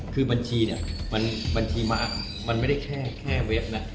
คือบัญชีเนี่ยมันบัญชีม้ามันไม่ได้แค่เว็บนะ